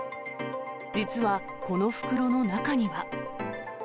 実はこの袋の中には。